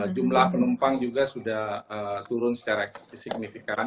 jumlah penumpang juga sudah turun secara signifikan